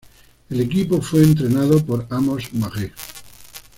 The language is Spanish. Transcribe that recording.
El equipo fue entrenado por Amos Magee.